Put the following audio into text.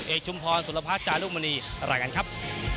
เอกชุมพรสุรพัชย์จารุมณีล่ะกันครับ